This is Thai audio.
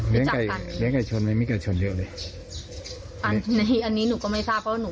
เลี้ยงไก่ชนไม่มีกับชนเยอะเลยอันนี้หนูก็ไม่ทราบเพราะว่าหนู